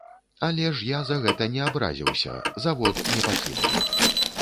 Але ж я за гэта не абразіўся, завод не пакінуў.